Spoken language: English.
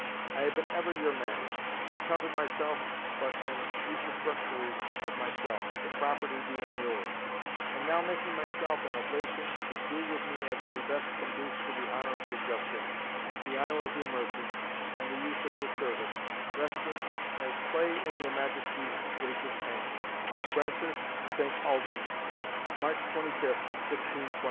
I have been ever your man, and counted myself but an usufructuary of myself, the property being yours; and now making myself an oblation to do with me as may best conduce to the honour of your justice, the honour of your mercy, and the use of your service, resting as "Clay in your Majesty's gracious hands, "Fr. St. Aldan, Canc. "March 25, 1621."